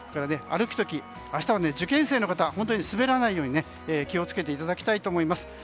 歩く時、明日は受験生の方は本当に滑らないように気をつけていただきたいと思います。